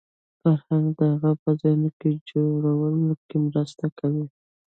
فرهنګ د هغه په ذهن جوړولو کې مرسته کوي